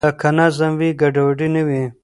که نظم وي ګډوډي نه وي.